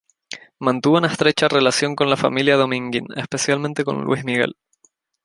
Mantuvo una estrecha relación con la familia Dominguín, especialmente con Luis Miguel.